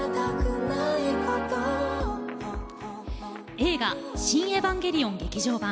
映画「シン・エヴァンゲリオン劇場版」。